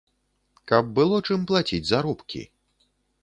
Каб было чым плаціць заробкі.